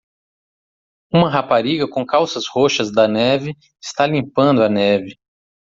Uma rapariga com calças roxas da neve está limpando a neve.